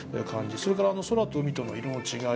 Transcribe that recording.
それから空と海との色の違い